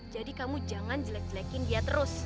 jadi kamu jangan jelek jelekin dia terus